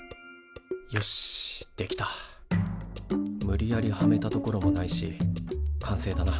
無理やりはめたところもないし完成だな。